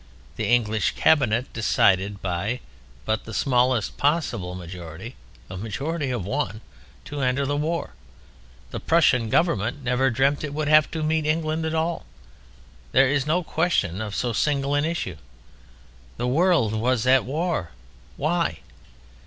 The English Cabinet decided by but the smallest possible majority (a majority of one) to enter the war. The Prussian Government never dreamt it would have to meet England at all. There is no question of so single an issue. The world was at war. Why?